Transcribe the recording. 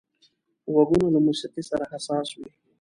غوږونه له موسيقي سره حساس وي